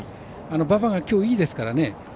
馬場が、きょう、いいですからね。